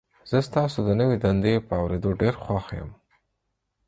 زه ستاسو د نوي دندې په اوریدو ډیر خوښ یم.